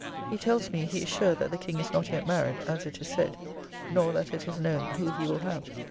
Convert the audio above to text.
He tells me, he is sure that the King is not yet married, as it is said; nor that it is known who he will have.